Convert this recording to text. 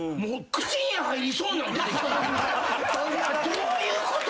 どういうこと？